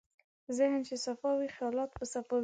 ذهن چې صفا وي، خیالات به صفا وي.